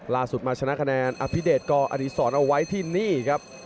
มาชนะคะแนนอภิเดชกอดีศรเอาไว้ที่นี่ครับ